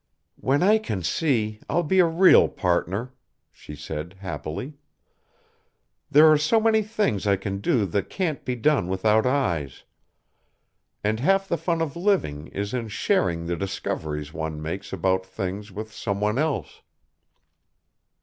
"When I can see, I'll be a real partner," she said happily. "There are so many things I can do that can't be done without eyes. And half the fun of living is in sharing the discoveries one makes about things with some one else.